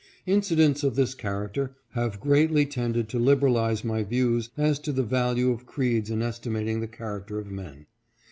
In cidents of this character have greatly tended to liberalize my views as to the value of creeds in estimating the character of men.